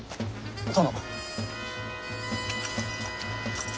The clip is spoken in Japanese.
殿。